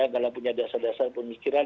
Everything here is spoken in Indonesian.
karena punya dasar dasar pemikiran